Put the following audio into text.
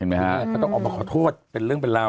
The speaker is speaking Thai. เห็นมั้ยฮะเขาต้องออกมาขอโทษเป็นเรื่องเป็นเรา